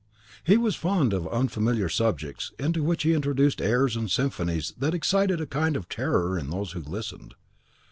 He was fond of unfamiliar subjects into which he introduced airs and symphonies that excited a kind of terror in those who listened.